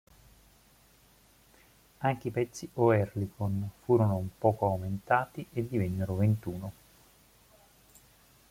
Anche i pezzi Oerlikon furono un poco aumentati e divennero ventuno.